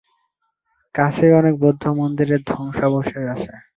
কাছেই অনেক বৌদ্ধ মন্দিরের ধ্বংসাবশেষ আছে।